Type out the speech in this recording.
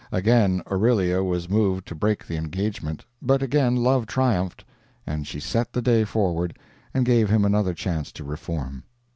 Again Aurelia was moved to break the engagement, but again love triumphed, and she set the day forward and gave him another chance to reform.